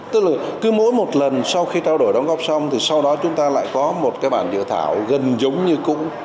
tức là cứ mỗi một lần sau khi trao đổi đóng góp xong thì sau đó chúng ta lại có một cái bản dự thảo gần giống như cũ